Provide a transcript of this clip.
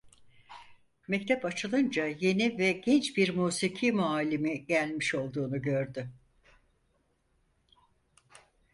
Mektep açılınca yeni ve genç bir musiki muallimi gelmiş olduğunu gördü.